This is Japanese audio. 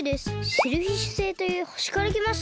シェルフィッシュ星というほしからきました。